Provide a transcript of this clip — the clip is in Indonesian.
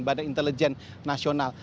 badan intelijen nasional